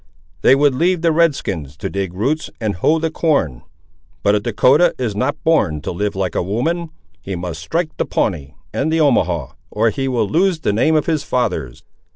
They would leave the Red skins to dig roots and hoe the corn. But a Dahcotah is not born to live like a woman; he must strike the Pawnee and the Omahaw, or he will lose the name of his fathers."